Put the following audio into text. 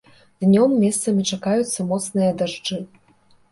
Днём месцамі чакаюцца моцныя дажджы.